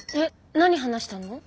何話したの？